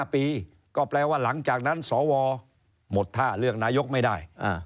๕ปีก็แปลว่าหลังจากนั้นสวหมดท่าเลือกนายกไม่ได้